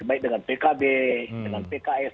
baik dengan pkb dengan pks